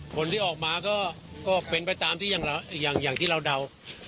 ผลที่ออกมาก็เป็นไปตามที่อย่างที่เราเดา